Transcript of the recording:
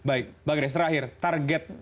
baik pak gres terakhir target